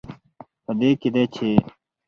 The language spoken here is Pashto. په دې کې دی، چې